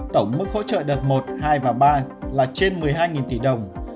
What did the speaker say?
tổng mức hỗ trợ đợt một hai và ba là trên một mươi hai tỷ đồng